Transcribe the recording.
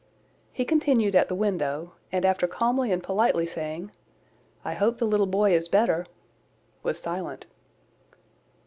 He continued at the window; and after calmly and politely saying, "I hope the little boy is better," was silent.